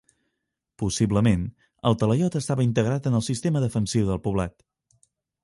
Possiblement el talaiot estava integrat en el sistema defensiu del poblat.